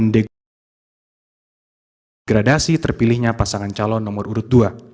degradasi terpilihnya pasangan calon nomor urut dua